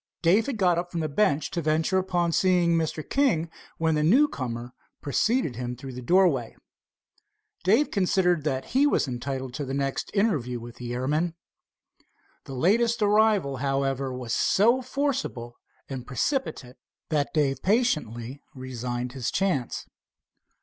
Dave had got up from the bench to venture upon seeing Mr. King, when the newcomer preceded him through the doorway. Dave considered that he was entitled to the next interview with the airman. The latest arrival, however, was so forcible and precipitate that Dave patiently resigned his chance.